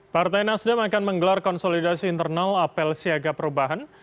partai nasdem akan menggelar konsolidasi internal apel siaga perubahan